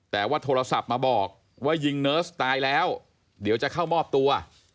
แต่ว่าโทรศัพท์มาบอกว่ายิงเนิร์สตายแล้วเดี๋ยวจะเข้ามอบตัว